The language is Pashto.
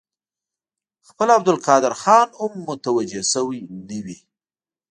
خپله عبدالقادر خان هم متوجه شوی نه وي.